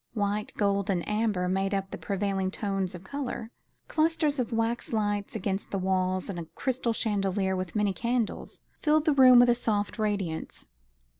White, gold, and amber made up the prevailing tone of colour. Clusters of wax lights against the walls and a crystal chandelier with many candles, filled the room with a soft radiance.